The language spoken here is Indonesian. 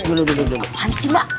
apaan sih ma